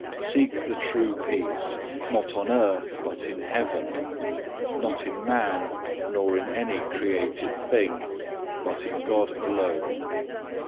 Seek the true peace, not in earth but in heaven, not in man nor in any created thing, but in God alone.